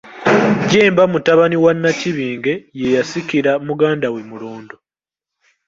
JJEMBA mutabani wa Nnakibinge, ye yasikira muganda we Mulondo.